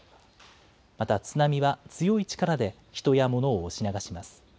また津波は強い力で人や物を押し流します。